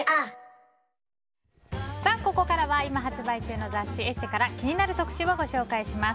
ここからは今発売中の雑誌「ＥＳＳＥ」から気になる特集をご紹介します。